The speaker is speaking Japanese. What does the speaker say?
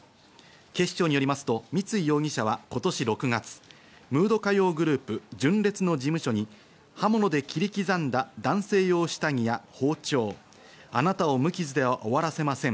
警視庁によりますと、三井容疑者は今年６月、ムード歌謡グループ、純烈の事務所に刃物で切り刻んだ男性用下着や包丁、あなたを無傷では終わらせません。